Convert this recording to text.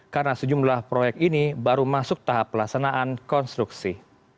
karena sejumlah proyek ini baru masuk tahap pelaksanaan konstruksi